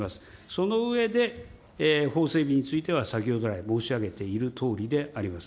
その上で法整備については先ほど来申し上げているとおりであります。